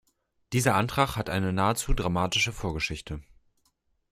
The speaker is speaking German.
Dieser Antrag hat eine nahezu dramatische Vorgeschichte.